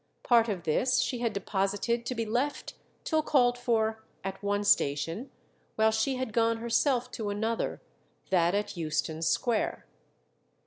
Part of this she had deposited to be left till called for at one station, while she had gone herself to another, that at Euston Square.